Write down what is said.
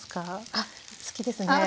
あっお好きですか？